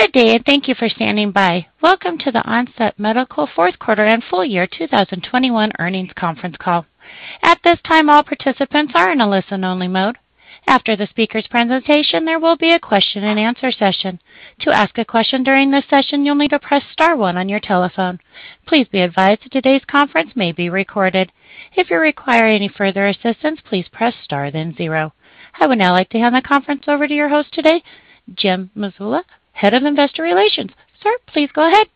Good day, and thank you for standing by. Welcome to the Outset Medical fourth quarter and full year 2021 earnings conference call. At this time, all participants are in a listen-only mode. After the speaker's presentation, there will be a question and answer session. To ask a question during this session, you'll need to press star one on your telephone. Please be advised that today's conference may be recorded. If you require any further assistance, please press star then zero. I would now like to hand the conference over to your host today, Jim Mazzola, Head of Investor Relations. Sir, please go ahead.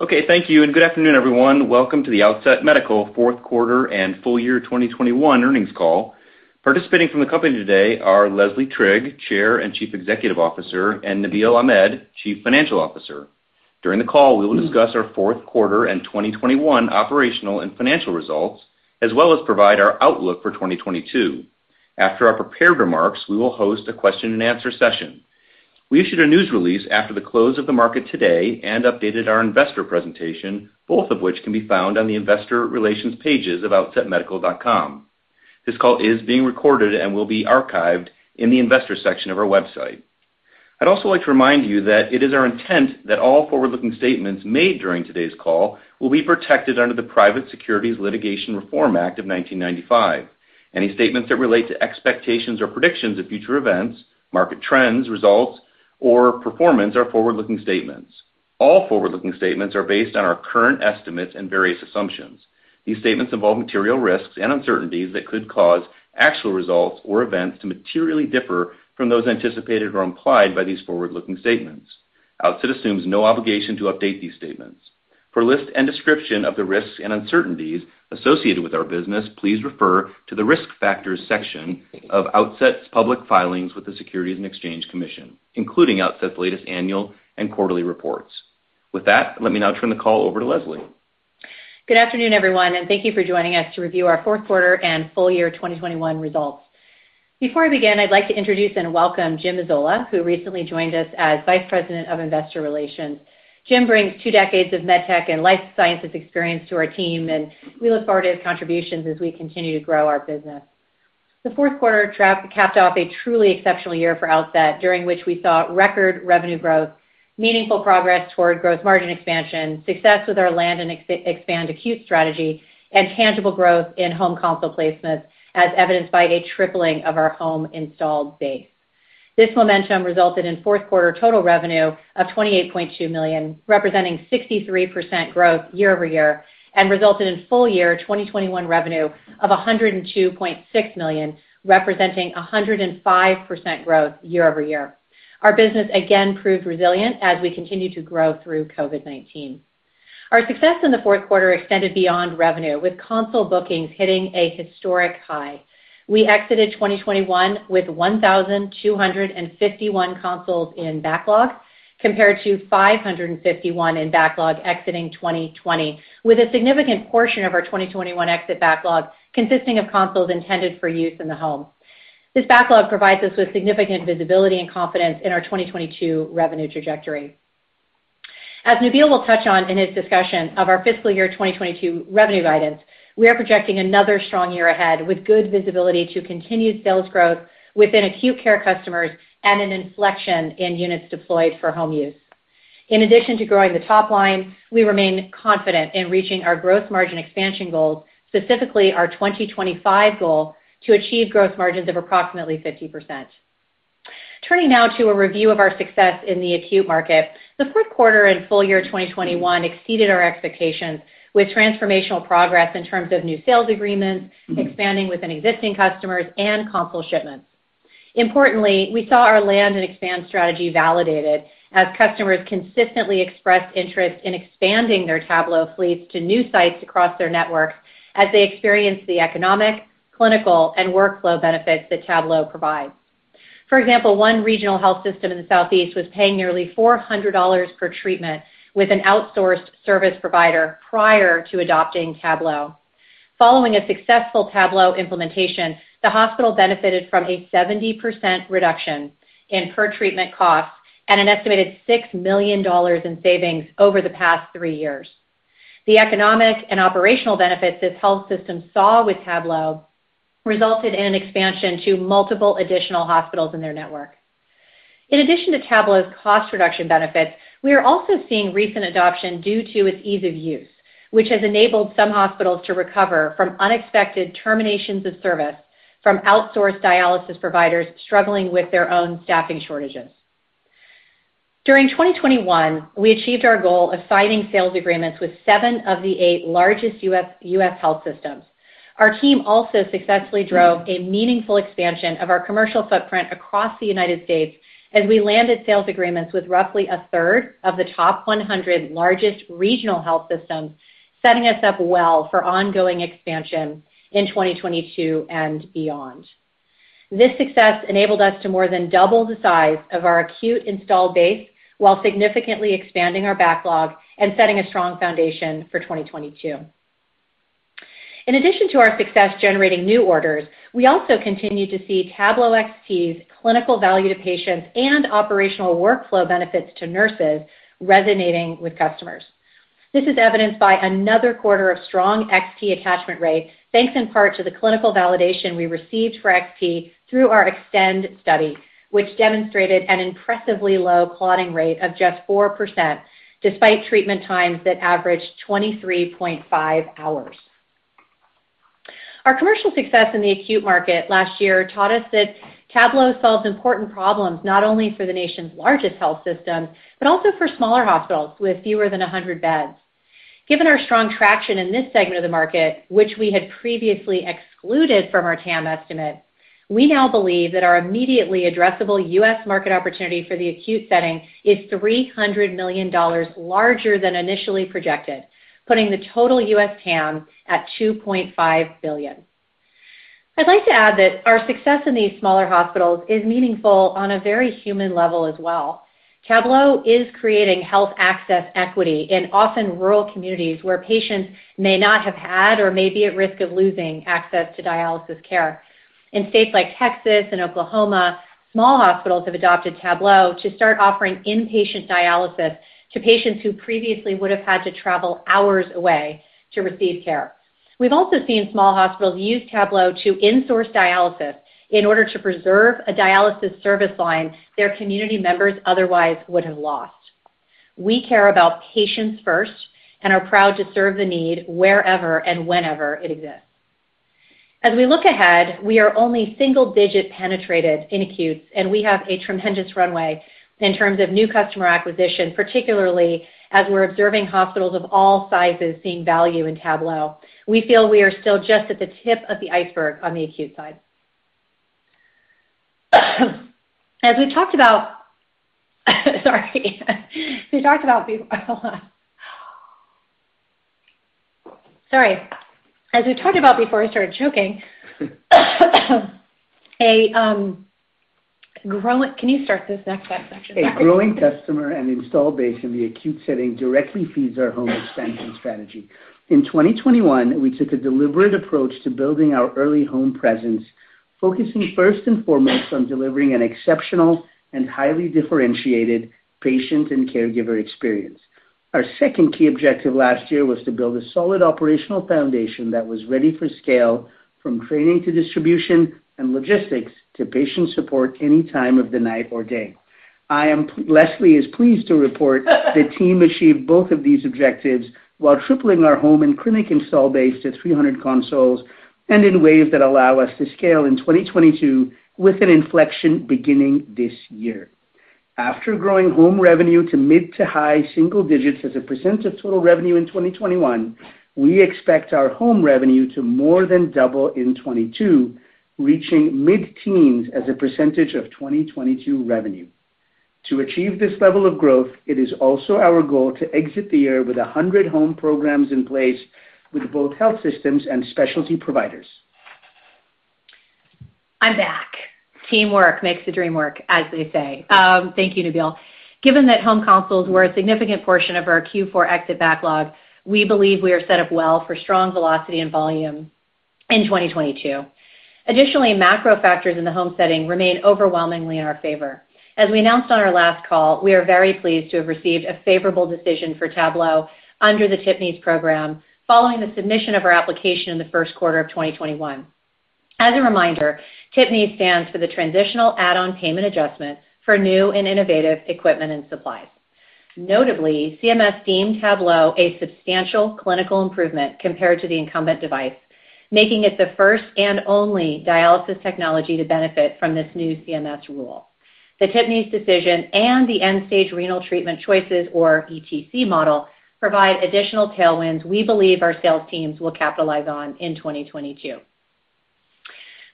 Okay, thank you, and good afternoon, everyone. Welcome to the Outset Medical fourth quarter and full year 2021 earnings call. Participating from the company today are Leslie Trigg, Chair and Chief Executive Officer, and Nabeel Ahmed, Chief Financial Officer. During the call, we will discuss our fourth quarter and 2021 operational and financial results, as well as provide our outlook for 2022. After our prepared remarks, we will host a question and answer session. We issued a news release after the close of the market today and updated our investor presentation, both of which can be found on the investor relations pages of outsetmedical.com. This call is being recorded and will be archived in the investor section of our website. I'd also like to remind you that it is our intent that all forward-looking statements made during today's call will be protected under the Private Securities Litigation Reform Act of 1995. Any statements that relate to expectations or predictions of future events, market trends, results, or performance are forward-looking statements. All forward-looking statements are based on our current estimates and various assumptions. These statements involve material risks and uncertainties that could cause actual results or events to materially differ from those anticipated or implied by these forward-looking statements. Outset assumes no obligation to update these statements. For a list and description of the risks and uncertainties associated with our business, please refer to the Risk Factors section of Outset's public filings with the Securities and Exchange Commission, including Outset's latest annual and quarterly reports. With that, let me now turn the call over to Leslie. Good afternoon, everyone, and thank you for joining us to review our fourth quarter and full year 2021 results. Before I begin, I'd like to introduce and welcome Jim Mazzola, who recently joined us as Vice President of Investor Relations. Jim brings two decades of med tech and life sciences experience to our team, and we look forward to his contributions as we continue to grow our business. The fourth quarter capped off a truly exceptional year for Outset, during which we saw record revenue growth, meaningful progress toward gross margin expansion, success with our land-and-expand acute strategy, and tangible growth in home console placements, as evidenced by a tripling of our home installed base. This momentum resulted in fourth quarter total revenue of $28.2 million, representing 63% growth year-over-year, and resulted in full year 2021 revenue of $102.6 million, representing 105% growth year-over-year. Our business again proved resilient as we continued to grow through COVID-19. Our success in the fourth quarter extended beyond revenue, with console bookings hitting a historic high. We exited 2021 with 1,251 consoles in backlog, compared to 551 in backlog exiting 2020, with a significant portion of our 2021 exit backlog consisting of consoles intended for use in the home. This backlog provides us with significant visibility and confidence in our 2022 revenue trajectory. As Nabeel will touch on in his discussion of our fiscal year 2022 revenue guidance, we are projecting another strong year ahead, with good visibility to continued sales growth within acute care customers and an inflection in units deployed for home use. In addition to growing the top line, we remain confident in reaching our gross margin expansion goals, specifically our 2025 goal to achieve gross margins of approximately 50%. Turning now to a review of our success in the acute market. The fourth quarter and full year 2021 exceeded our expectations with transformational progress in terms of new sales agreements, expanding within existing customers, and console shipments. Importantly, we saw our land and expand strategy validated as customers consistently expressed interest in expanding their Tablo fleets to new sites across their network as they experienced the economic, clinical, and workflow benefits that Tablo provides. For example, one regional health system in the Southeast was paying nearly $400 per treatment with an outsourced service provider prior to adopting Tablo. Following a successful Tablo implementation, the hospital benefited from a 70% reduction in per treatment costs and an estimated $6 million in savings over the past three years. The economic and operational benefits this health system saw with Tablo resulted in an expansion to multiple additional hospitals in their network. In addition to Tablo's cost reduction benefits, we are also seeing recent adoption due to its ease of use, which has enabled some hospitals to recover from unexpected terminations of service from outsourced dialysis providers struggling with their own staffing shortages. During 2021, we achieved our goal of signing sales agreements with seven of the eight largest U.S. health systems. Our team also successfully drove a meaningful expansion of our commercial footprint across the United States as we landed sales agreements with roughly a third of the top 100 largest Regional Health Systems, setting us up well for ongoing expansion in 2022 and beyond. This success enabled us to more than double the size of our acute installed base while significantly expanding our backlog and setting a strong foundation for 2022. In addition to our success generating new orders, we also continued to see TabloXT's clinical value to patients and operational workflow benefits to nurses resonating with customers. This is evidenced by another quarter of strong XT attachment rate, thanks in part to the clinical validation we received for XT through our Extend study, which demonstrated an impressively low clotting rate of just 4%, despite treatment times that averaged 23.5 hours. Our commercial success in the acute market last year taught us that Tablo solves important problems, not only for the nation's largest health systems, but also for smaller hospitals with fewer than 100 beds. Given our strong traction in this segment of the market, which we had previously excluded from our TAM estimate, we now believe that our immediately addressable U.S. market opportunity for the acute setting is $300 million larger than initially projected, putting the total U.S. TAM at $2.5 billion. I'd like to add that our success in these smaller hospitals is meaningful on a very human level as well. Tablo is creating health access equity in often rural communities where patients may not have had or may be at risk of losing access to dialysis care. In states like Texas and Oklahoma, small hospitals have adopted Tablo to start offering inpatient dialysis to patients who previously would have had to travel hours away to receive care. We've also seen small hospitals use Tablo to in-source dialysis in order to preserve a dialysis service line their community members otherwise would have lost. We care about patients first and are proud to serve the need wherever and whenever it exists. As we look ahead, we are only single-digit penetrated in acute, and we have a tremendous runway in terms of new customer acquisition, particularly as we're observing hospitals of all sizes seeing value in Tablo. We feel we are still just at the tip of the iceberg on the acute side. As we talked about before I started choking. Can you start this next section? A growing customer and install base in the acute setting directly feeds our home expansion strategy. In 2021, we took a deliberate approach to building our early home presence, focusing first and foremost on delivering an exceptional and highly differentiated patient and caregiver experience. Our second key objective last year was to build a solid operational foundation that was ready for scale from training to distribution and logistics to patient support any time of the night or day. Leslie is pleased to report the team achieved both of these objectives while tripling our home and clinic install base to 300 consoles and in ways that allow us to scale in 2022 with an inflection beginning this year. After growing home revenue to mid-high single digits as a percent of total revenue in 2021, we expect our home revenue to more than double in 2022, reaching mid-teens as a percentage of 2022 revenue. To achieve this level of growth, it is also our goal to exit the year with 100 home programs in place with both health systems and specialty providers. I'm back. Teamwork makes the Dream work, as they say. Thank you, Nabeel. Given that home consoles were a significant portion of our Q4 exit backlog, we believe we are set up well for strong velocity and volume in 2022. Additionally, macro factors in the home setting remain overwhelmingly in our favor. As we announced on our last call, we are very pleased to have received a favorable decision for Tablo under the TPNIES program following the submission of our application in the first quarter of 2021. As a reminder, TPNIES stands for the Transitional Add-on Payment Adjustment for New and Innovative Equipment and Supplies. Notably, CMS deemed Tablo a substantial clinical improvement compared to the incumbent device, making it the first and only dialysis technology to benefit from this new CMS rule. The TPNIES decision and the end-stage renal disease treatment choices, or ETC model, provide additional tailwinds we believe our sales teams will capitalize on in 2022.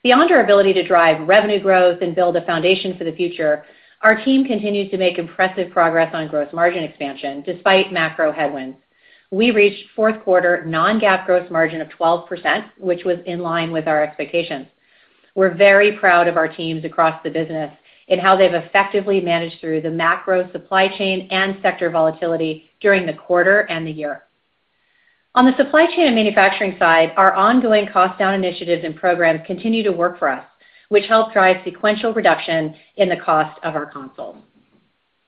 Beyond our ability to drive revenue growth and build a foundation for the future, our team continues to make impressive progress on gross margin expansion despite macro headwinds. We reached fourth quarter non-GAAP gross margin of 12%, which was in line with our expectations. We're very proud of our teams across the business in how they've effectively managed through the macro supply chain and sector volatility during the quarter and the year. On the supply chain and manufacturing side, our ongoing cost down initiatives and programs continue to work for us, which help drive sequential reduction in the cost of our console.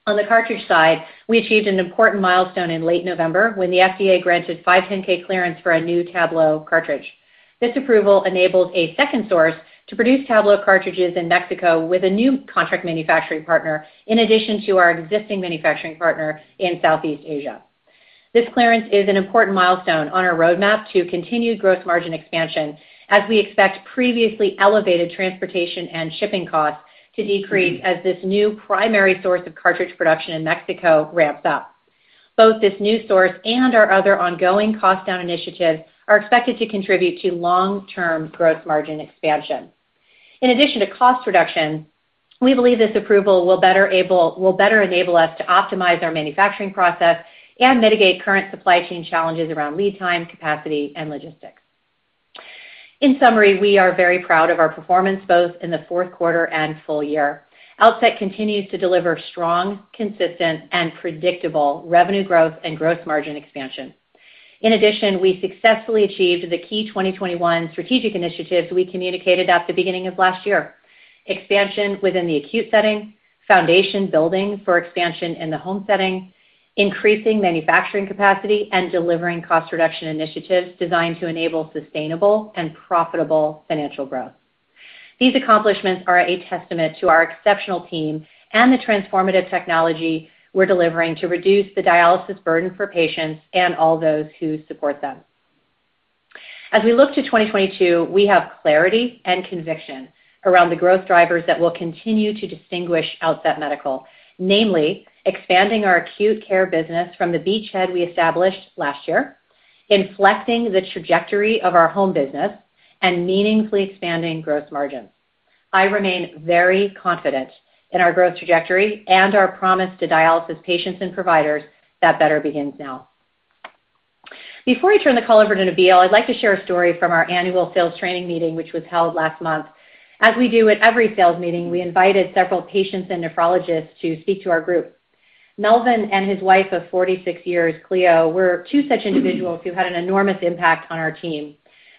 On the cartridge side, we achieved an important milestone in late November when the FDA granted 510(k) clearance for a new Tablo cartridge. This approval enables a second source to produce Tablo cartridges in Mexico with a new contract manufacturing partner, in addition to our existing manufacturing partner in Southeast Asia. This clearance is an important milestone on our roadmap to continued gross margin expansion as we expect previously elevated transportation and shipping costs to decrease as this new primary source of cartridge production in Mexico ramps up. Both this new source and our other ongoing cost down initiatives are expected to contribute to long-term gross margin expansion. In addition to cost reduction, we believe this approval will better enable us to optimize our manufacturing process and mitigate current supply chain challenges around lead time, capacity, and logistics. In summary, we are very proud of our performance both in the fourth quarter and full year. Outset continues to deliver strong, consistent, and predictable revenue growth and gross margin expansion. In addition, we successfully achieved the key 2021 strategic initiatives we communicated at the beginning of last year. Expansion within the acute setting, foundation building for expansion in the home setting, increasing manufacturing capacity, and delivering cost reduction initiatives designed to enable sustainable and profitable financial growth. These accomplishments are a testament to our exceptional team and the transformative technology we're delivering to reduce the dialysis burden for patients and all those who support them. As we look to 2022, we have clarity and conviction around the growth drivers that will continue to distinguish Outset Medical, namely, expanding our acute care business from the beachhead we established last year, inflecting the trajectory of our home business, and meaningfully expanding gross margin. I remain very confident in our growth trajectory and our promise to dialysis patients and providers that better begins now. Before I turn the call over to Nabeel, I'd like to share a story from our annual sales training meeting, which was held last month. As we do at every sales meeting, we invited several patients and nephrologists to speak to our group. Melvin and his wife of 46 years, Cleo, were two such individuals who had an enormous impact on our team.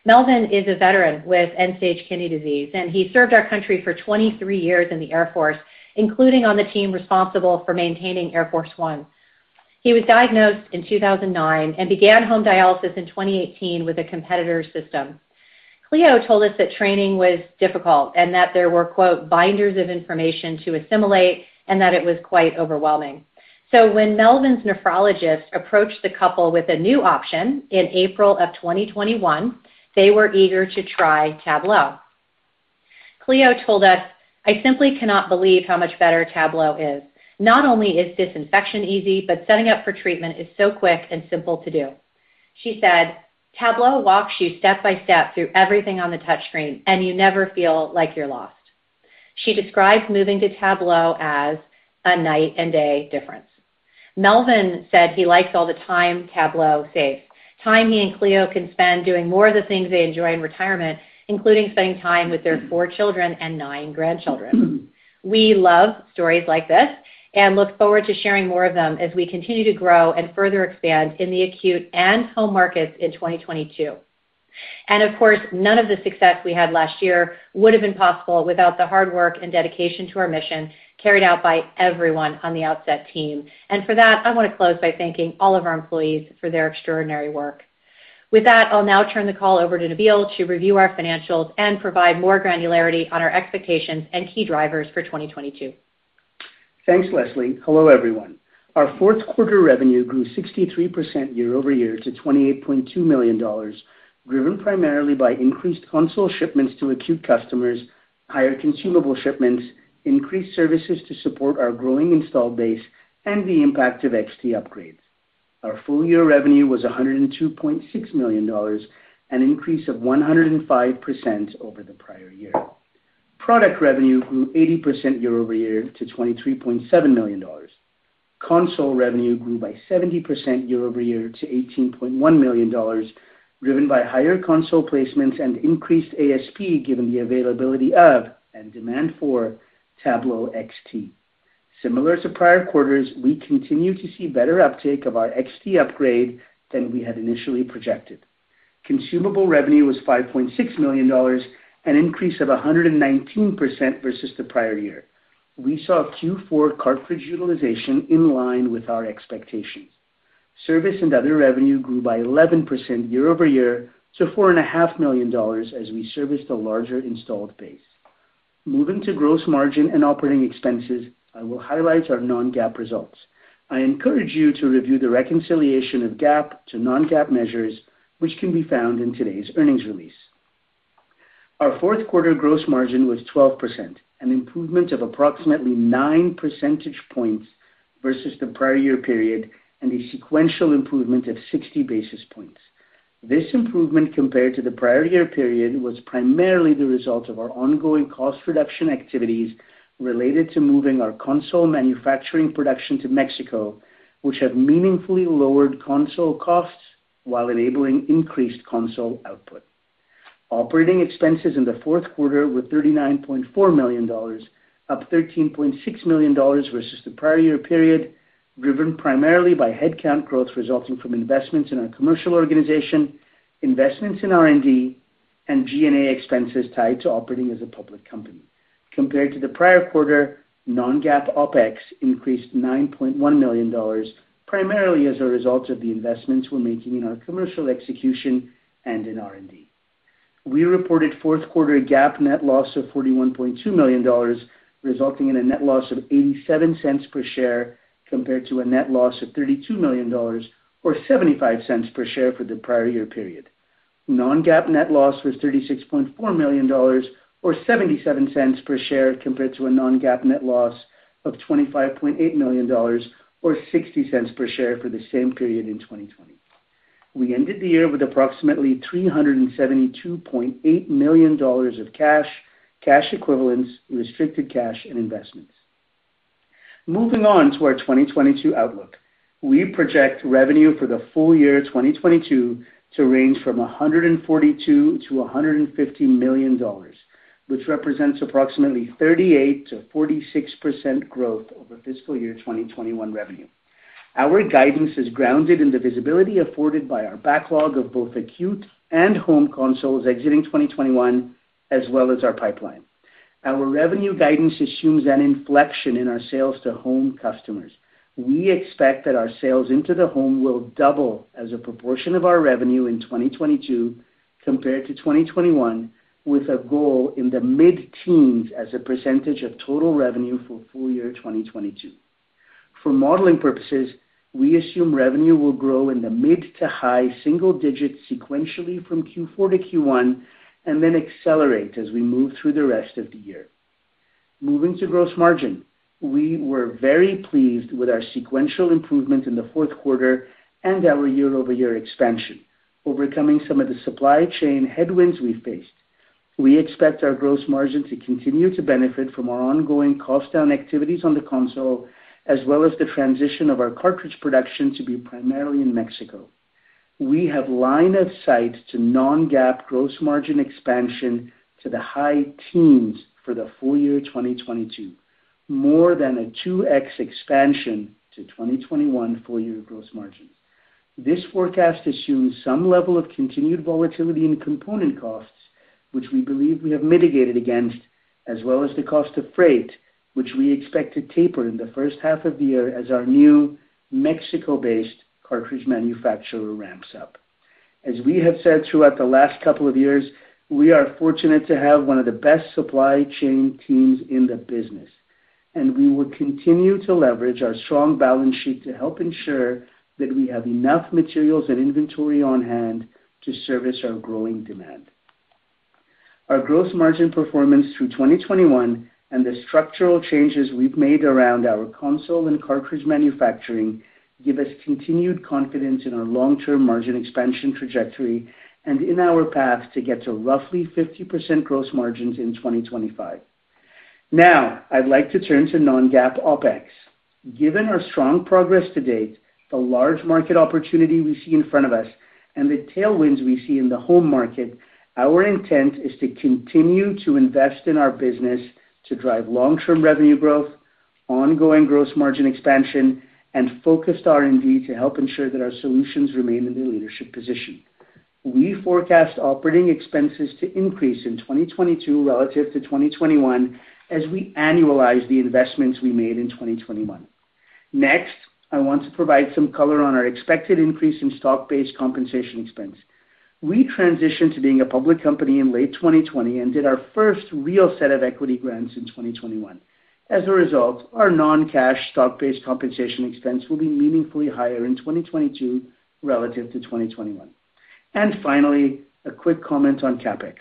Melvin is a veteran with end-stage kidney disease, and he served our country for 23 years in the Air Force, including on the team responsible for maintaining Air Force One. He was diagnosed in 2009 and began home dialysis in 2018 with a competitor's system. Cleo told us that training was difficult and that there were, quote, "binders of information to assimilate and that it was quite overwhelming." When Melvin's nephrologist approached the couple with a new option in April 2021, they were eager to try Tablo. Cleo told us, "I simply cannot believe how much better Tablo is. Not only is disinfection easy, but setting up for treatment is so quick and simple to do." She said, "Tablo walks you step-by-step through everything on the touch screen, and you never feel like you're lost." She describes moving to Tablo as a night-and-day difference. Melvin said he likes all the time Tablo saves. Time he and Cleo can spend doing more of the things they enjoy in retirement, including spending time with their four children and nine grandchildren. We love stories like this and look forward to sharing more of them as we continue to grow and further expand in the acute and home markets in 2022. Of course, none of the success we had last year would have been possible without the hard work and dedication to our mission carried out by everyone on the Outset team. For that, I want to close by thanking all of our employees for their extraordinary work. With that, I'll now turn the call over to Nabeel to review our financials and provide more granularity on our expectations and key drivers for 2022. Thanks, Leslie. Hello, everyone. Our fourth quarter revenue grew 63% year-over-year to $28.2 million, driven primarily by increased console shipments to acute customers, higher consumable shipments, increased services to support our growing installed base, and the impact of TabloXT upgrades. Our full-year revenue was $102.6 million, an increase of 105% over the prior year. Product revenue grew 80% year-over-year to $23.7 million. Console revenue grew by 70% year-over-year to $18.1 million, driven by higher console placements and increased ASP, given the availability of and demand for TabloXT. Similar to prior quarters, we continue to see better uptake of our TabloXT upgrade than we had initially projected. Consumable revenue was $5.6 million, an increase of 119% versus the prior year. We saw Q4 cartridge utilization in line with our expectations. Service and other revenue grew by 11% year-over-year to $4.5 million as we serviced a larger installed base. Moving to gross margin and operating expenses, I will highlight our non-GAAP results. I encourage you to review the reconciliation of GAAP to non-GAAP measures, which can be found in today's earnings release. Our fourth quarter gross margin was 12%, an improvement of approximately 9% points versus the prior year period and a sequential improvement of 60 basis points. This improvement compared to the prior year period was primarily the result of our ongoing cost reduction activities related to moving our console manufacturing production to Mexico, which have meaningfully lowered console costs while enabling increased console output. Operating expenses in the fourth quarter were $39.4 million, up $13.6 million versus the prior year period, driven primarily by headcount growth resulting from investments in our commercial organization, investments in R&D, and G&A expenses tied to operating as a public company. Compared to the prior quarter, non-GAAP OpEx increased $9.1 million, primarily as a result of the investments we're making in our commercial execution and in R&D. We reported fourth quarter GAAP net loss of $41.2 million, resulting in a net loss of $0.87 per share compared to a net loss of $32 million or $0.75 per share for the prior year period. Non-GAAP net loss was $36.4 million or $0.77 per share compared to a non-GAAP net loss of $25.8 million or $0.60 per share for the same period in 2020. We ended the year with approximately $372.8 million of cash equivalents, restricted cash and investments. Moving on to our 2022 outlook. We project revenue for the full year 2022 to range from $142 million-$150 million, which represents approximately 38%-46% growth over fiscal year 2021 revenue. Our guidance is grounded in the visibility afforded by our backlog of both acute and home consoles exiting 2021, as well as our pipeline. Our revenue guidance assumes an inflection in our sales to home customers. We expect that our sales into the home will double as a proportion of our revenue in 2022 compared to 2021, with a goal in the mid-teens% of total revenue for full year 2022. For modeling purposes, we assume revenue will grow in the mid- to high-single-digits sequentially from Q4 to Q1, and then accelerate as we move through the rest of the year. Moving to gross margin. We were very pleased with our sequential improvement in the fourth quarter and our year-over-year expansion, overcoming some of the supply chain headwinds we faced. We expect our gross margin to continue to benefit from our ongoing cost down activities on the console, as well as the transition of our cartridge production to be primarily in Mexico. We have line of sight to non-GAAP gross margin expansion to the high teens for the full year 2022, more than a 2x expansion to 2021 full year gross margin. This forecast assumes some level of continued volatility in component costs, which we believe we have mitigated against, as well as the cost of freight, which we expect to taper in the first half of the year as our new Mexico-based cartridge manufacturer ramps up. As we have said throughout the last couple of years, we are fortunate to have one of the best supply chain teams in the business, and we will continue to leverage our strong balance sheet to help ensure that we have enough materials and inventory on hand to service our growing demand. Our gross margin performance through 2021 and the structural changes we've made around our console and cartridge manufacturing give us continued confidence in our long-term margin expansion trajectory and in our path to get to roughly 50% gross margins in 2025. Now, I'd like to turn to non-GAAP OpEx. Given our strong progress to date, the large market opportunity we see in front of us, and the tailwinds we see in the home market, our intent is to continue to invest in our business to drive long-term revenue growth, ongoing gross margin expansion, and focused R&D to help ensure that our solutions remain in the leadership position. We forecast operating expenses to increase in 2022 relative to 2021 as we annualize the investments we made in 2021. Next, I want to provide some color on our expected increase in stock-based compensation expense. We transitioned to being a public company in late 2020 and did our first real set of equity grants in 2021. As a result, our non-cash stock-based compensation expense will be meaningfully higher in 2022 relative to 2021. Finally, a quick comment on CapEx.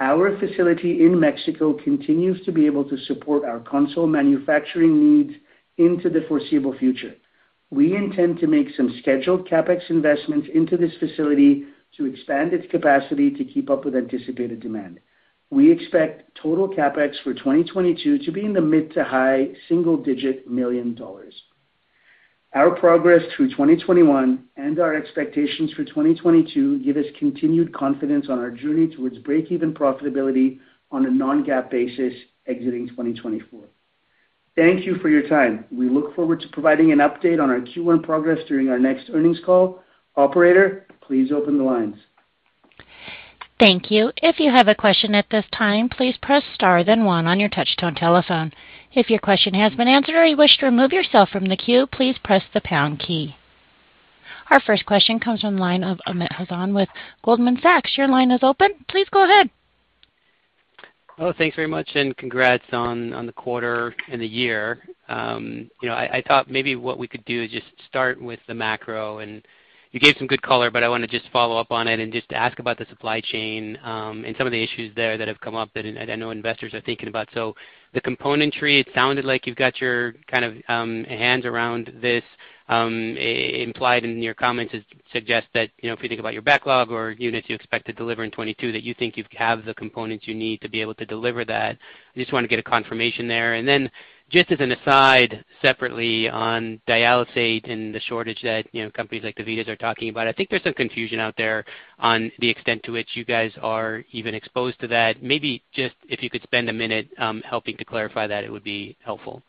Our facility in Mexico continues to be able to support our console manufacturing needs into the foreseeable future. We intend to make some scheduled CapEx investments into this facility to expand its capacity to keep up with anticipated demand. We expect total CapEx for 2022 to be in the mid-high single-digit millions dollars. Our progress through 2021 and our expectations for 2022 give us continued confidence on our journey towards breakeven profitability on a non-GAAP basis exiting 2024. Thank you for your time. We look forward to providing an update on our Q1 progress during our next earnings call. Operator, please open the lines. Thank you. If you have a question at this time, please press star then one on your touch tone telephone. If your question has been answered or you wish to remove yourself from the queue, please press the pound key. Our first question comes from the line of Amit Hazan with Goldman Sachs. Your line is open. Please go ahead. Oh, thanks very much, and congrats on the quarter and the year. You know, I thought maybe what we could do is just start with the macro, and you gave some good color, but I wanna just follow up on it and just ask about the supply chain, and some of the issues there that have come up that I know investors are thinking about. The componentry, it sounded like you've got your kind of hands around this. Implied in your comments suggests that, you know, if you think about your backlog or units you expect to deliver in 2022, that you think you have the components you need to be able to deliver that. I just wanna get a confirmation there. Just as an aside, separately on dialysate and the shortage that, you know, companies like DaVita are talking about. I think there's some confusion out there on the extent to which you guys are even exposed to that. Maybe just if you could spend a minute, helping to clarify that, it would be helpful.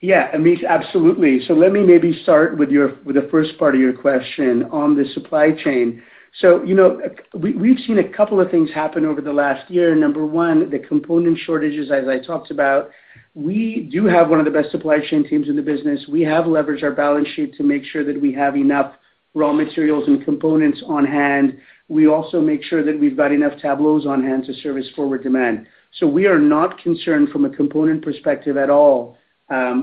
Yeah, Amit, absolutely. Let me maybe start with your first part of your question on the supply chain. You know, we’ve seen a couple of things happen over the last year. Number one, the component shortages, as I talked about. We do have one of the best supply chain teams in the business. We have leveraged our balance sheet to make sure that we have enough raw materials and components on hand. We also make sure that we’ve got enough Tablos on hand to service forward demand. We are not concerned from a component perspective at all,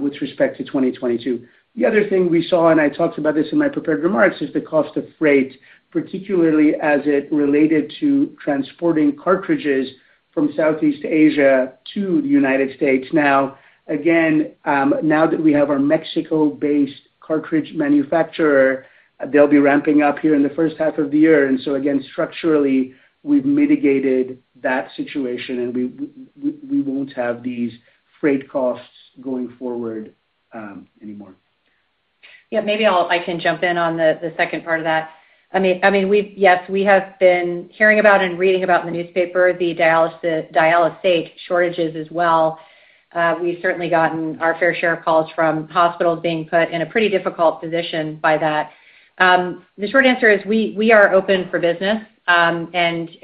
with respect to 2022. The other thing we saw, and I talked about this in my prepared remarks, is the cost of freight, particularly as it related to transporting cartridges from Southeast Asia to the United States. Now, again, now that we have our Mexico-based cartridge manufacturer, they'll be ramping up here in the first half of the year. Again, structurally, we've mitigated that situation, and we won't have these freight costs going forward, anymore. Maybe I can jump in on the second part of that. I mean, we have been hearing about and reading about in the newspaper the dialysate shortages as well. We've certainly gotten our fair share of calls from hospitals being put in a pretty difficult position by that. The short answer is we are open for business and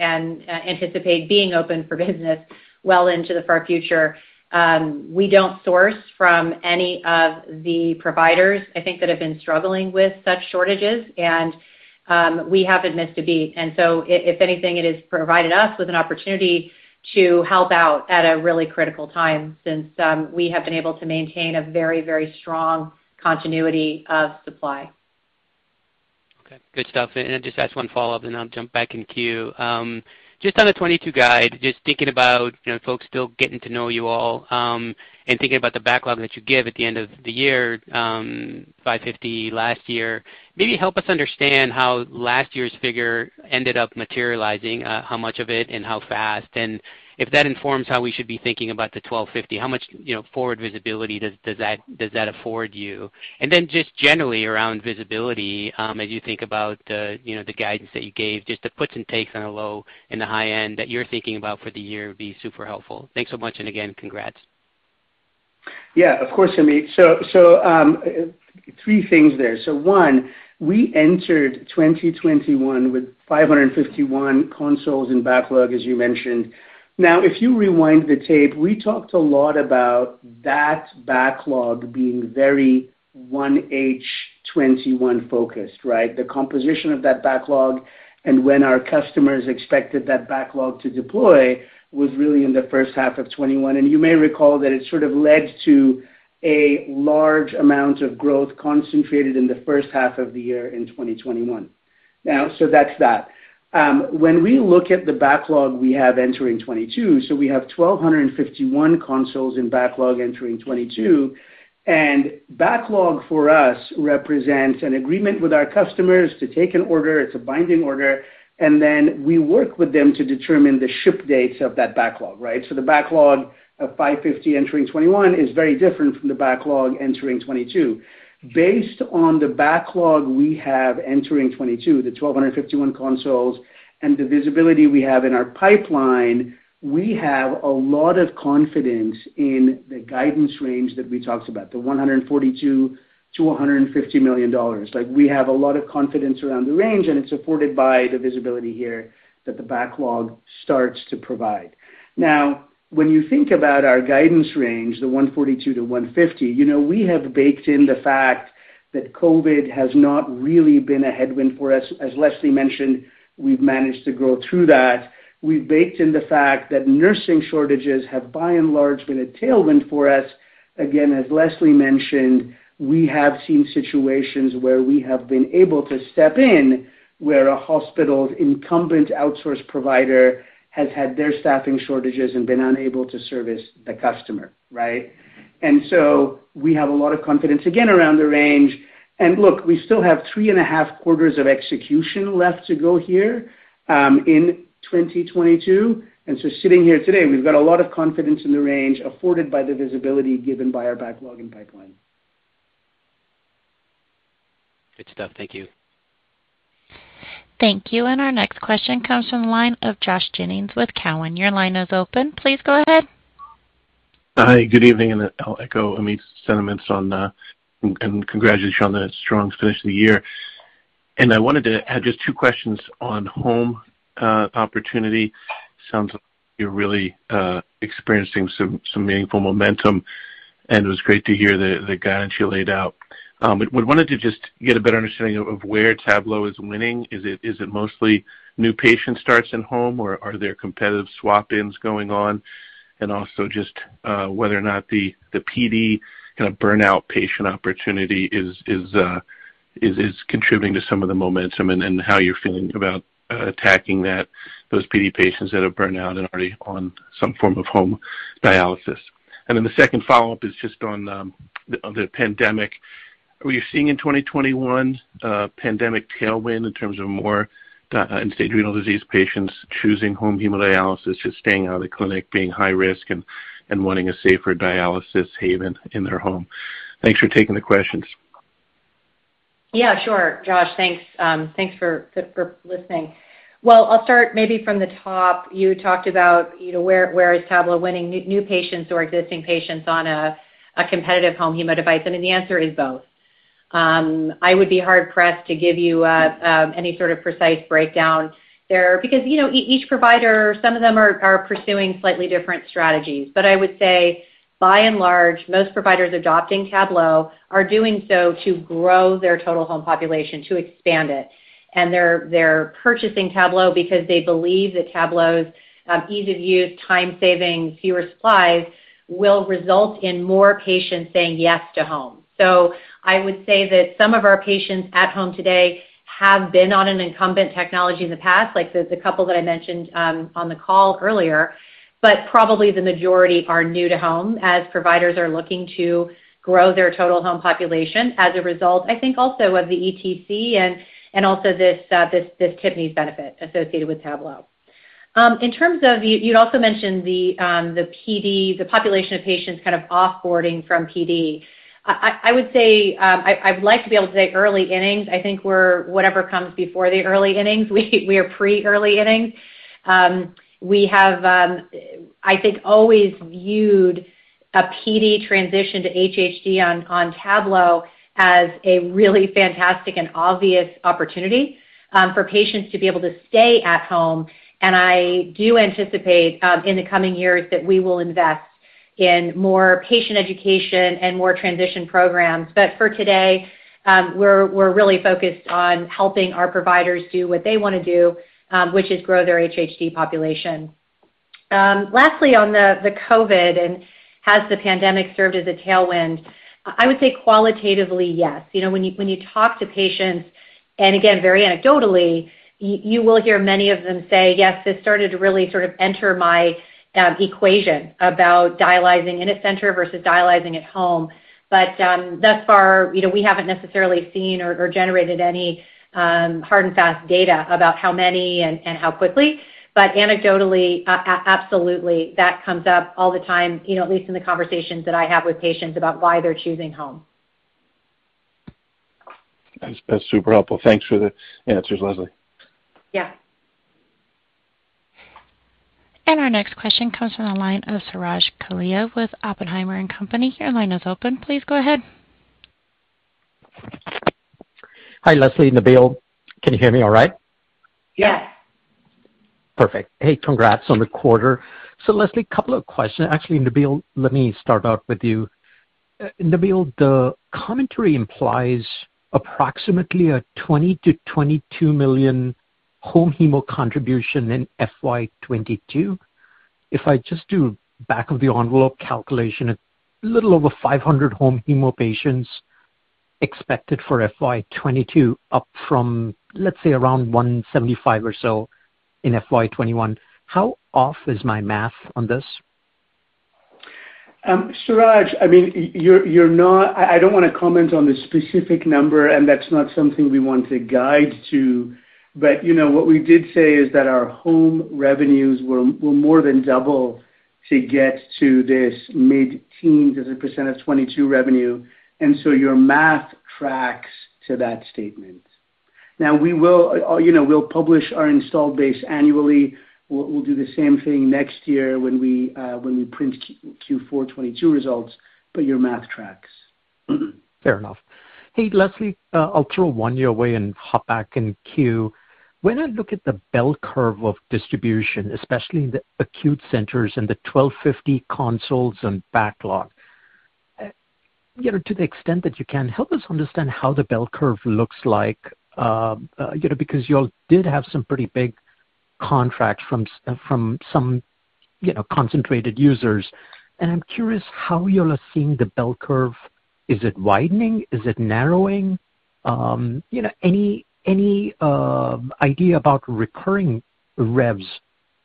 anticipate being open for business well into the far future. We don't source from any of the providers, I think, that have been struggling with such shortages, and we haven't missed a beat. If anything, it has provided us with an opportunity to help out at a really critical time since we have been able to maintain a very, very strong continuity of supply. Okay. Good stuff. Just ask one follow-up, and then I'll jump back in queue. Just on the 2022 guide, just thinking about, you know, folks still getting to know you all, and thinking about the backlog that you give at the end of the year, $550 last year. Maybe help us understand how last year's figure ended up materializing, how much of it and how fast, and if that informs how we should be thinking about the $1,250, how much, you know, forward visibility does that afford you? Just generally around visibility, as you think about the, you know, the guidance that you gave, just the puts and takes on the low and the high end that you're thinking about for the year would be super helpful. Thanks so much, and again, congrats. Yeah, of course, Amit. Three things there. One, we entered 2021 with 551 consoles in backlog, as you mentioned. Now, if you rewind the tape, we talked a lot about that backlog being very 1H 2021 focused, right? The composition of that backlog and when our customers expected that backlog to deploy was really in the first half of 2021. You may recall that it sort of led to a large amount of growth concentrated in the first half of the year in 2021. Now, that's that. When we look at the backlog we have entering 2022, we have 1,251 consoles in backlog entering 2022. Backlog for us represents an agreement with our customers to take an order, it's a binding order, and then we work with them to determine the ship dates of that backlog, right? The backlog of 550 entering 2021 is very different from the backlog entering 2022. Based on the backlog we have entering 2022, the 1,251 consoles, and the visibility we have in our pipeline, we have a lot of confidence in the guidance range that we talked about, the $142 million-$150 million. Like, we have a lot of confidence around the range, and it's afforded by the visibility here that the backlog starts to provide. Now, when you think about our guidance range, the $142-$150, you know, we have baked in the fact that COVID has not really been a headwind for us. As Leslie mentioned, we've managed to grow through that. We've baked in the fact that nursing shortages have by and large been a tailwind for us. Again, as Leslie mentioned, we have seen situations where we have been able to step in where a hospital's incumbent outsourced provider has had their staffing shortages and been unable to service the customer, right? We have a lot of confidence, again, around the range. Look, we still have three and a half quarters of execution left to go here in 2022. Sitting here today, we've got a lot of confidence in the range afforded by the visibility given by our backlog and pipeline. Good stuff. Thank you. Thank you. Our next question comes from the line of Josh Jennings with Cowen. Your line is open. Please go ahead. Hi, good evening. I'll echo Amit's sentiments and congratulations on the strong finish of the year. I wanted to have just two questions on home opportunity. Sounds like you're really experiencing some meaningful momentum, and it was great to hear the guidance you laid out. I wanted to just get a better understanding of where Tablo is winning. Is it mostly new patient starts in-home, or are there competitive swap-ins going on? Also just whether or not the PD kind of burnout patient opportunity is contributing to some of the momentum and how you're feeling about attacking those PD patients that have burned out and already on some form of home dialysis. Then the second follow-up is just on the pandemic. Were you seeing in 2021 pandemic tailwind in terms of more end-stage renal disease patients choosing home hemodialysis, just staying out of the clinic, being high risk and wanting a safer dialysis haven in their home? Thanks for taking the questions. Yeah, sure, Josh. Thanks for listening. Well, I'll start maybe from the top. You talked about, you know, where is Tablo winning new patients or existing patients on a competitive home hemo device. I mean, the answer is both. I would be hard-pressed to give you any sort of precise breakdown there because, you know, each provider, some of them are pursuing slightly different strategies. But I would say by and large, most providers adopting Tablo are doing so to grow their total home population, to expand it. They're purchasing Tablo because they believe that Tablo's ease of use, time savings, fewer supplies will result in more patients saying yes to home. I would say that some of our patients at home today have been on an incumbent technology in the past, like the couple that I mentioned on the call earlier, but probably the majority are new to home as providers are looking to grow their total home population as a result, I think, also of the ETC and also this TPNIES benefit associated with Tablo. In terms of you'd also mentioned the PD, the population of patients kind of off-boarding from PD. I would say, I'd like to be able to say early innings. I think we're whatever comes before the early innings, we are pre-early innings. We have, I think always viewed a PD transition to HHD on Tablo as a really fantastic and obvious opportunity for patients to be able to stay at home. I do anticipate in the coming years that we will invest in more patient education and more transition programs. For today, we're really focused on helping our providers do what they wanna do, which is grow their HHD population. Lastly, on the COVID and has the pandemic served as a tailwind? I would say qualitatively, yes. You know, when you talk to patients, and again, very anecdotally, you will hear many of them say, "Yes, this started to really sort of enter my equation about dialyzing in a center versus dialyzing at home." Thus far, you know, we haven't necessarily seen or generated any hard and fast data about how many and how quickly. Anecdotally absolutely, that comes up all the time, you know, at least in the conversations that I have with patients about why they're choosing home. That's super helpful. Thanks for the answers, Leslie. Yeah. Our next question comes from the line of Suraj Kalia with Oppenheimer and Company. Your line is open. Please go ahead. Hi, Leslie and Nabeel. Can you hear me all right? Yes. Perfect. Hey, congrats on the quarter. Leslie, couple of questions. Actually, Nabeel, let me start out with you. Nabeel, the commentary implies approximately a $20-$22 million home hemo contribution in FY 2022. If I just do back of the envelope calculation, a little over 500 home hemo patients expected for FY 2022 up from, let's say around 175 or so in FY 2021. How off is my math on this? Suraj, I mean, I don't wanna comment on the specific number, and that's not something we want to guide to. You know, what we did say is that our home revenues will more than double to get to this mid-teens% of 2022 revenue. Your math tracks to that statement. Now we will, you know, we'll publish our installed base annually. We'll do the same thing next year when we print Q4 2022 results, but your math tracks. Fair enough. Hey, Leslie, I'll throw one your way and hop back in queue. When I look at the bell curve of distribution, especially in the acute centers and the 1,250 consoles and backlog, you know, to the extent that you can, help us understand how the bell curve looks like, you know, because y'all did have some pretty big contracts from some, you know, concentrated users. I'm curious how you all are seeing the bell curve. Is it widening? Is it narrowing? You know, any idea about recurring revs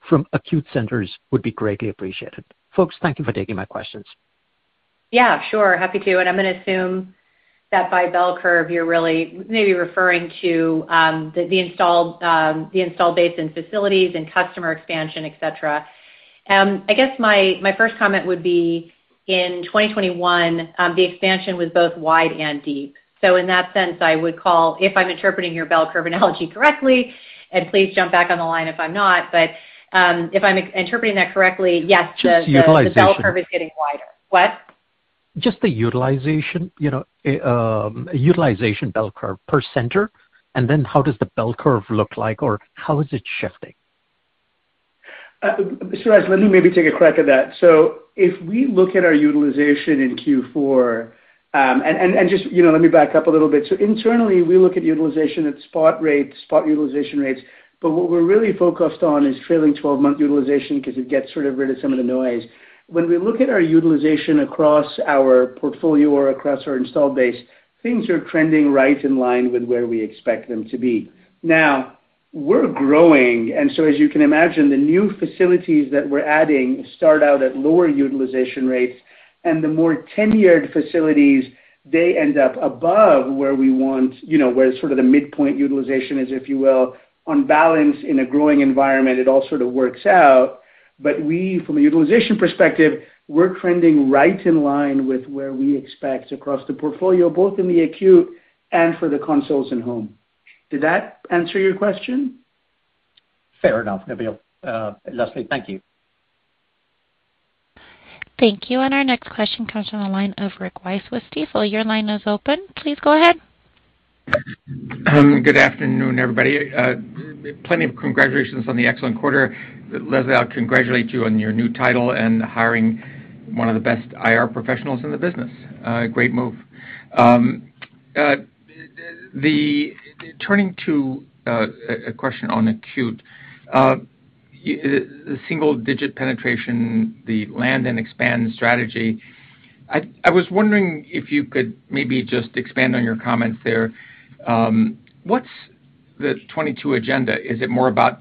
from acute centers would be greatly appreciated. Folks, thank you for taking my questions. Yeah, sure. Happy to. I'm gonna assume that by bell curve, you're really maybe referring to the installed base in facilities and customer expansion, et cetera. I guess my first comment would be in 2021, the expansion was both wide and deep. In that sense, I would call if I'm interpreting your bell curve analogy correctly, and please jump back on the line if I'm not, but if I'm interpreting that correctly, yes. Just the utilization the bell curve is getting wider. What? Just the utilization, you know, utilization bell curve per center, and then how does the bell curve look like or how is it shifting? Suraj, let me maybe take a crack at that. If we look at our utilization in Q4, and just, you know, let me back up a little bit. Internally, we look at utilization at spot rates, spot utilization rates, but what we're really focused on is trailing twelve-month utilization because it gets sort of rid of some of the noise. When we look at our utilization across our portfolio or across our installed base, things are trending right in line with where we expect them to be. Now, we're growing, and so as you can imagine, the new facilities that we're adding start out at lower utilization rates, and the more tenured facilities, they end up above where we want, you know, where sort of the midpoint utilization is, if you will. On balance in a growing environment, it all sort of works out. We from a utilization perspective, we're trending right in line with where we expect across the portfolio, both in the acute and for the consoles and home. Did that answer your question? Fair enough, Nabeel. Leslie, thank you. Thank you. Our next question comes from the line of Rick Wise with Stifel. Your line is open. Please go ahead. Good afternoon, everybody. Plenty of congratulations on the excellent quarter. Leslie, I'll congratulate you on your new title and hiring one of the best IR professionals in the business. Great move. Turning to a question on acute, the single-digit penetration, the land and expand strategy. I was wondering if you could maybe just expand on your comments there. What's the 2022 agenda? Is it more about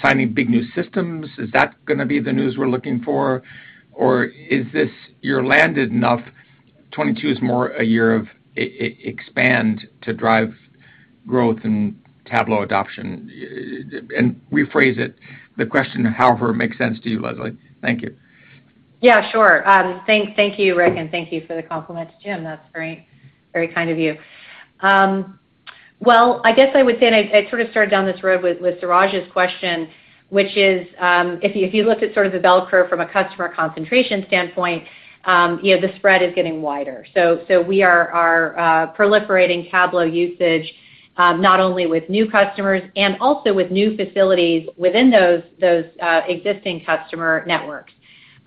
signing big new systems? Is that gonna be the news we're looking for? Or is this you're landed enough? 2022 is more a year of expand to drive growth and Tablo adoption. Rephrase it, the question, however, makes sense to you, Leslie. Thank you. Yeah, sure. Thank you, Rick, and thank you for the compliment to Jim. That's very kind of you. Well, I guess I would say I sort of started down this road with Suraj's question, which is, if you looked at sort of the bell curve from a customer concentration standpoint, you know, the spread is getting wider. We are proliferating Tablo usage, not only with new customers and also with new facilities within those existing customer networks.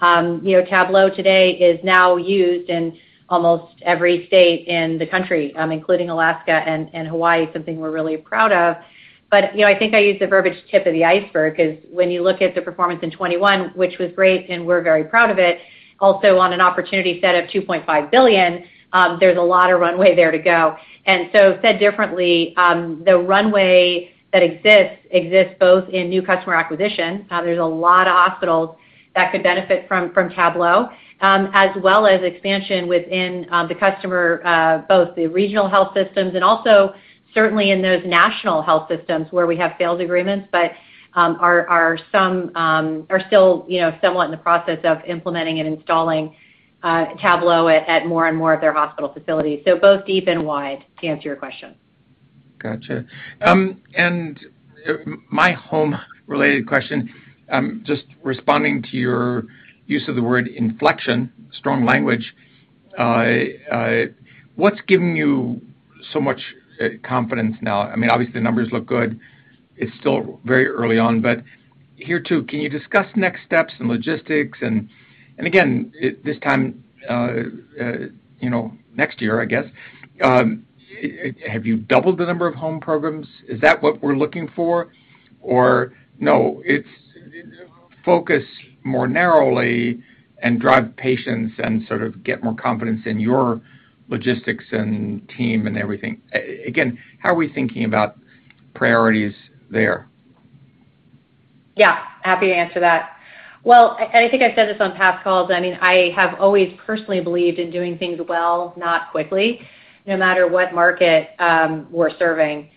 You know, Tablo today is now used in almost every state in the country, including Alaska and Hawaii, something we're really proud of. You know, I think I used the verbiage tip of the iceberg because when you look at the performance in 2021, which was great, and we're very proud of it, also on an opportunity set of $2.5 billion, there's a lot of runway there to go. Said differently, the runway that exists exists both in new customer acquisition, there's a lot of hospitals that could benefit from Tablo, as well as expansion within the customer, both the Regional Health Systems and also certainly in those National Health Systems where we have sales agreements. Some are still, you know, somewhat in the process of implementing and installing Tablo at more and more of their hospital facilities, so both deep and wide, to answer your question. Gotcha. My home related question, just responding to your use of the word inflection, strong language. What's giving you so much confidence now? I mean, obviously numbers look good. It's still very early on, but here too, can you discuss next steps and logistics? Again, this time, you know, next year, I guess, have you doubled the number of home programs? Is that what we're looking for? Or no, it's focus more narrowly and drive patients and sort of get more confidence in your logistics and team and everything. Again, how are we thinking about priorities there? Yeah, happy to answer that. Well, I think I said this on past calls. I mean, I have always personally believed in doing things well, not quickly, no matter what market we're serving.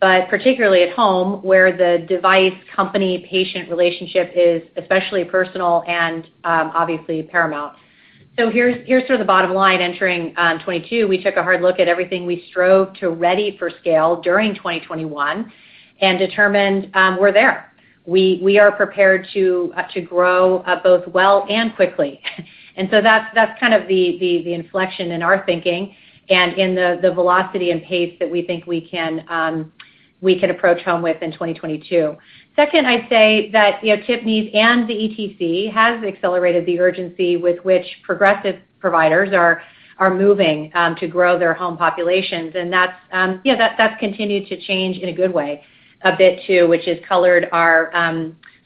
Particularly at home, where the device company-patient relationship is especially personal and obviously paramount. Here's sort of the bottom line. Entering 2022, we took a hard look at everything we strove to ready for scale during 2021 and determined we're there. We are prepared to grow both well and quickly. That's kind of the inflection in our thinking and in the velocity and pace that we think we could approach home with in 2022. Second, I'd say that, you know, TPNIES and the ESRD has accelerated the urgency with which progressive providers are moving to grow their home populations. That's continued to change in a good way a bit too, which has colored our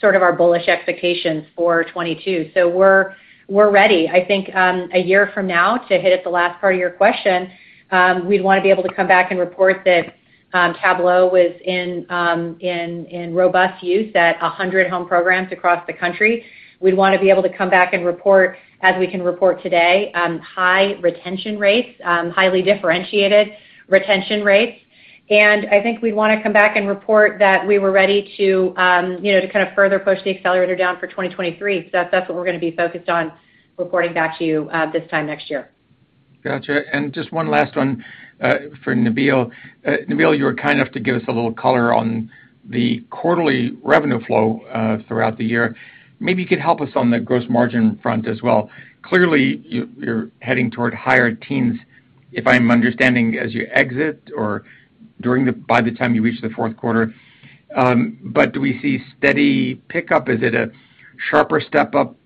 sort of our bullish expectations for 2022. We're ready. I think a year from now, to hit at the last part of your question, we'd wanna be able to come back and report that Tablo was in robust use at 100 home programs across the country. We'd wanna be able to come back and report as we can report today high retention rates, highly differentiated retention rates. I think we'd wanna come back and report that we were ready to, you know, to kind of further push the accelerator down for 2023. That's what we're gonna be focused on reporting back to you this time next year. Gotcha. Just one last one, for Nabeel. Nabeel, you were kind enough to give us a little color on the quarterly revenue flow throughout the year. Maybe you could help us on the gross margin front as well. Clearly, you're heading toward higher teens, if I'm understanding, as you exit or during the by the time you reach the fourth quarter. Do we see steady pickup? Is it a sharper step-up,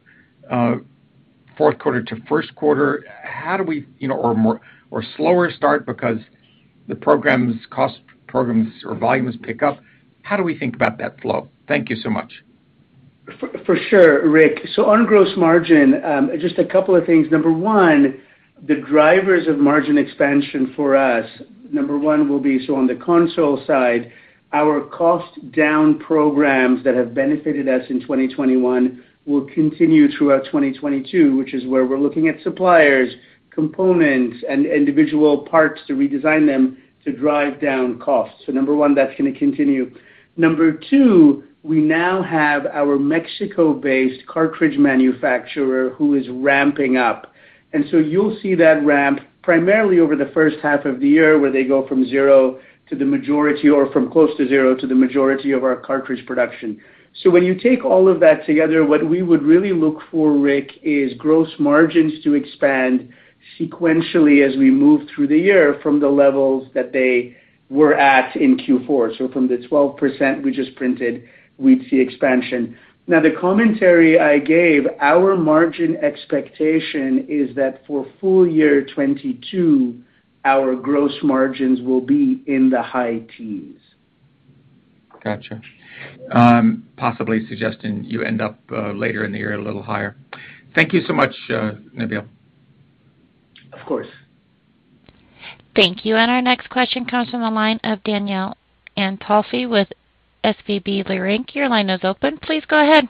fourth quarter to first quarter? How do we, you know, or more or slower start because the programs, cost programs or volumes pick up. How do we think about that flow? Thank you so much. For sure, Rick. On gross margin, just a couple of things. Number one, the drivers of margin expansion for us will be on the console side, our cost down programs that have benefited us in 2021 will continue throughout 2022, which is where we're looking at suppliers, components and individual parts to redesign them to drive down costs. Number one, that's gonna continue. Number two, we now have our Mexico-based cartridge manufacturer who is ramping up. You'll see that ramp primarily over the first half of the year, where they go from zero to the majority, or from close to zero to the majority of our cartridge production. When you take all of that together, what we would really look for, Rick, is gross margins to expand sequentially as we move through the year from the levels that they were at in Q4. From the 12% we just printed, we'd see expansion. Now, the commentary I gave, our margin expectation is that for full year 2022, our gross margins will be in the high teens. Gotcha. Possibly suggesting you end up later in the year a little higher. Thank you so much, Nabeel. Of course. Thank you. Our next question comes from the line of Danielle Antalffy with SVB Leerink. Your line is open. Please go ahead.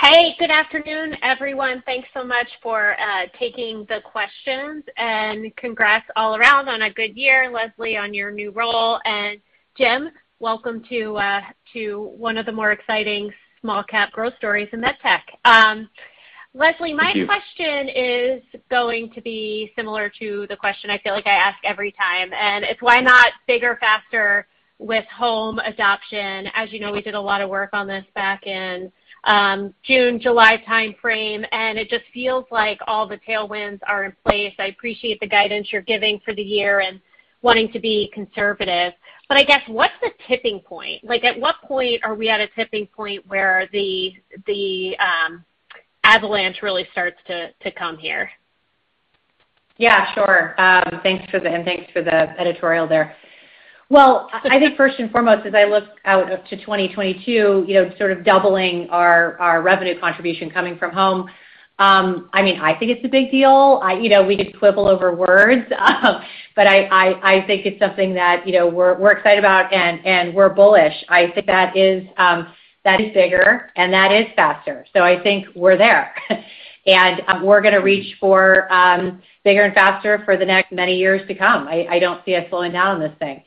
Hey, good afternoon, everyone. Thanks so much for taking the questions. Congrats all around on a good year, Leslie, on your new role. Jim, welcome to one of the more exciting small cap growth stories in medtech. Thank you. My question is going to be similar to the question I feel like I ask every time, and it's why not bigger, faster with home adoption? As you know, we did a lot of work on this back in June, July timeframe, and it just feels like all the tailwinds are in place. I appreciate the guidance you're giving for the year and wanting to be conservative. I guess, what's the tipping point? Like, at what point are we at a tipping point where the avalanche really starts to come here? Yeah, sure. Thanks for the editorial there. Well, I think first and foremost, as I look out up to 2022, you know, sort of doubling our revenue contribution coming from home, I mean, I think it's a big deal. I, you know, we could quibble over words, but I think it's something that, you know, we're excited about and we're bullish. I think that is bigger and that is faster. So I think we're there. We're gonna reach for bigger and faster for the next many years to come. I don't see us slowing down on this thing.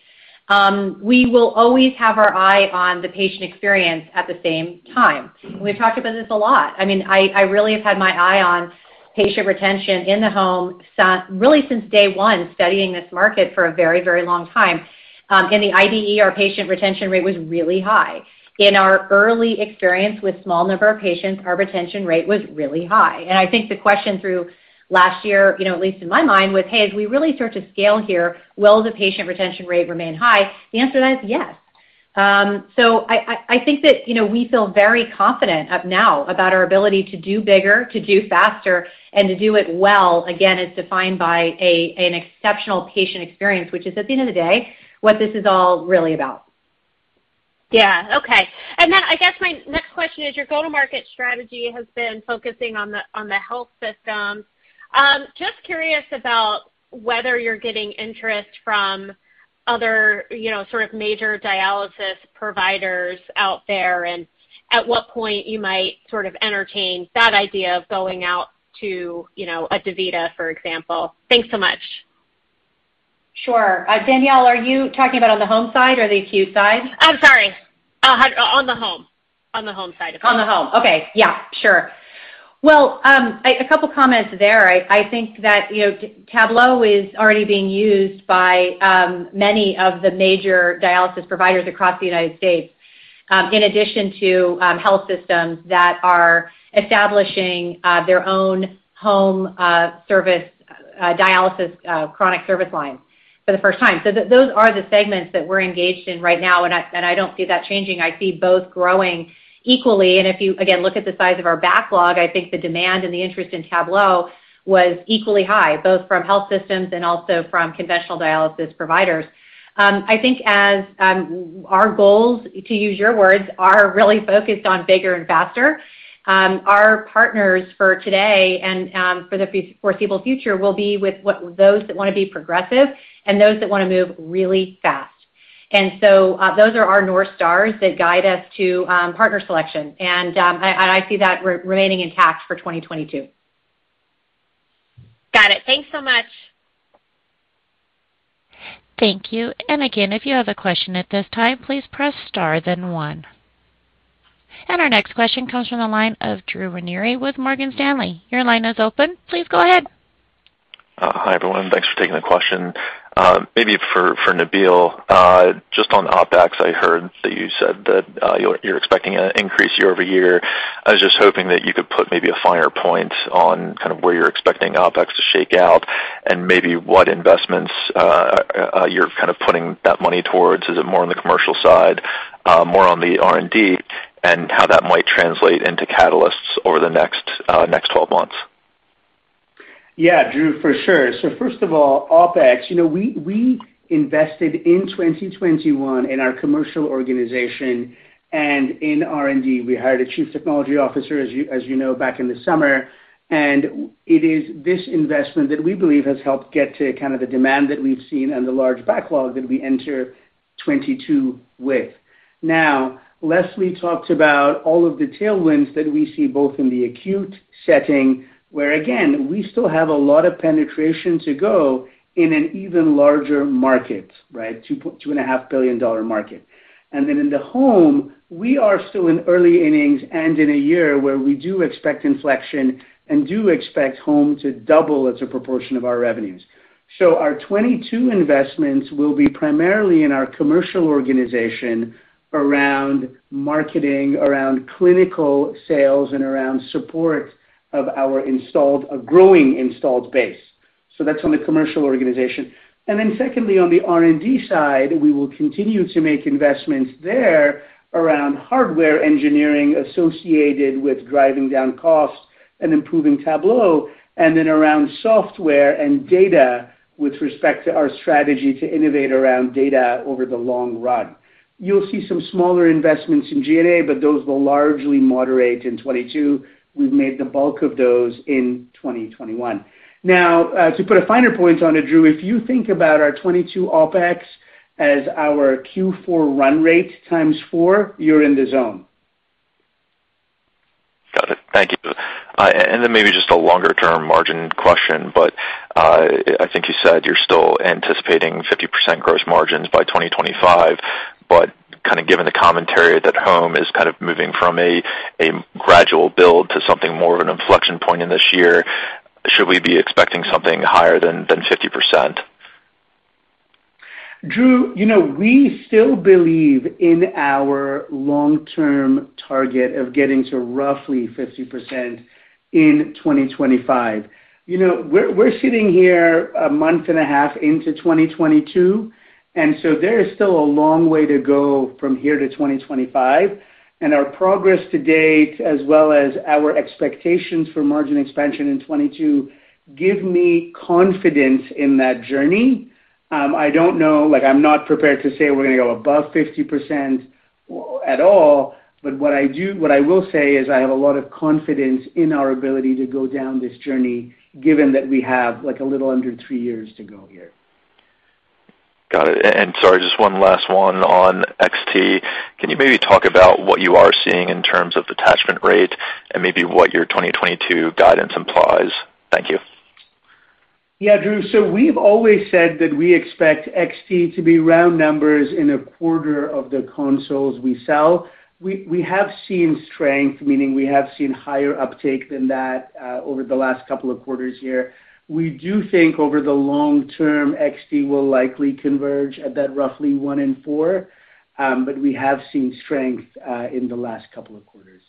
We will always have our eye on the patient experience at the same time. We've talked about this a lot. I mean, I really have had my eye on patient retention really since day one, studying this market for a very, very long time. In the IDE, our patient retention rate was really high. In our early experience with small number of patients, our retention rate was really high. I think the question through last year, you know, at least in my mind, was, hey, as we really start to scale here, will the patient retention rate remain high? The answer to that is yes. I think that, you know, we feel very confident up now about our ability to do bigger, to do faster, and to do it well, again, as defined by an exceptional patient experience, which is, at the end of the day, what this is all really about. Yeah. Okay. I guess my next question is, your go-to-market strategy has been focusing on the health system. Just curious about whether you're getting interest from other, you know, sort of major dialysis providers out there and at what point you might sort of entertain that idea of going out to, you know, a DaVita, for example. Thanks so much. Sure. Danielle, are you talking about on the home side or the acute side? I'm sorry. On the home side of things. Okay. Yeah, sure. Well, a couple comments there. I think that, you know, Tablo is already being used by many of the major dialysis providers across the United States, in addition to health systems that are establishing their own home service dialysis chronic service line for the first time. Those are the segments that we're engaged in right now, and I don't see that changing. I see both growing equally. If you again look at the size of our backlog, I think the demand and the interest in Tablo was equally high, both from health systems and also from conventional dialysis providers. I think as our goals, to use your words, are really focused on bigger and faster, our partners for today and for the foreseeable future will be with those that wanna be progressive and those that wanna move really fast. Those are our north stars that guide us to partner selection. I see that remaining intact for 2022. Got it. Thanks so much. Thank you. Again, if you have a question at this time, please press star then one. Our next question comes from the line of Drew Ranieri with Morgan Stanley. Your line is open. Please go ahead. Hi, everyone. Thanks for taking the question. Maybe for Nabeel, just on OpEx, I heard that you said that you're expecting an increase year-over-year. I was just hoping that you could put maybe a finer point on kind of where you're expecting OpEx to shake out and maybe what investments you're kind of putting that money towards. Is it more on the commercial side, more on the R&D, and how that might translate into catalysts over the next 12 months? Yeah, Drew, for sure. First of all, OpEx. You know, we invested in 2021 in our commercial organization and in R&D. We hired a chief technology officer, as you know, back in the summer. It is this investment that we believe has helped get to kind of the demand that we've seen and the large backlog that we enter 2022 with. Now, Leslie talked about all of the tailwinds that we see both in the acute setting, where again, we still have a lot of penetration to go in an even larger market, right? $2.5 billion market. Then in the home, we are still in early innings and in a year where we do expect inflection and do expect home to double as a proportion of our revenues. Our 2022 investments will be primarily in our commercial organization around marketing, around clinical sales, and around support of our growing installed base. That's on the commercial organization. Secondly, on the R&D side, we will continue to make investments there around hardware engineering associated with driving down costs and improving Tablo, and then around software and data with respect to our strategy to innovate around data over the long run. You'll see some smaller investments in G&A, but those will largely moderate in 2022. We've made the bulk of those in 2021. Now, to put a finer point on it, Drew, if you think about our 2022 OpEx As our Q4 run rate times 4, you're in the zone. Got it. Thank you. Maybe just a longer-term margin question, but I think you said you're still anticipating 50% gross margins by 2025, but kind of given the commentary that Home is kind of moving from a gradual build to something more of an inflection point in this year, should we be expecting something higher than 50%? Drew, you know, we still believe in our long-term target of getting to roughly 50% in 2025. You know, we're sitting here a month and a half into 2022, and so there is still a long way to go from here to 2025. Our progress to date as well as our expectations for margin expansion in 2022 give me confidence in that journey. I don't know, like, I'm not prepared to say we're gonna go above 50% at all, but what I will say is I have a lot of confidence in our ability to go down this journey given that we have, like, a little under three years to go here. Got it. Sorry, just one last one on XT. Can you maybe talk about what you are seeing in terms of attachment rate and maybe what your 2022 guidance implies? Thank you. Yeah, Drew. We've always said that we expect XT to be around one in a quarter of the consoles we sell. We have seen strength, meaning we have seen higher uptake than that over the last couple of quarters here. We do think over the long term, XT will likely converge at that roughly one in four, but we have seen strength in the last couple of quarters.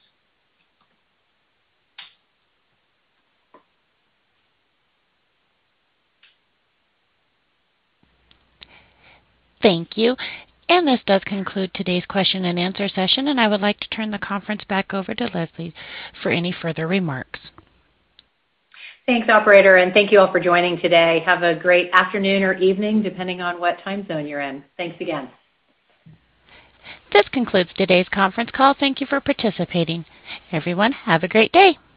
Thank you. This does conclude today's question and answer session, and I would like to turn the conference back over to Leslie for any further remarks. Thanks, operator, and thank you all for joining today. Have a great afternoon or evening, depending on what time zone you're in. Thanks again. This concludes today's conference call. Thank you for participating. Everyone, have a great day.